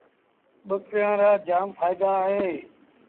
ٻڪريآݩ رآ جآم ڦآئيدآ اوهيݩ ۔